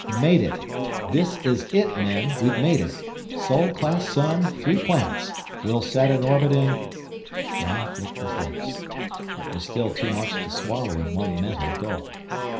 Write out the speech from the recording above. "Made it! This is it, men, we've made it; Sol class sun three planets. We'll set an orbit in " Raf licked his lips. It was still too much to swallow in one mental gulp.